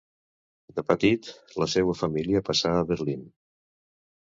De petit la seua família passà a Berlín.